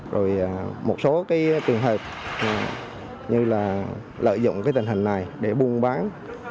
rồi một số trường hợp như là lợi dụng tình hình này để buôn bán